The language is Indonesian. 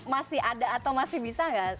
masih ada atau masih bisa nggak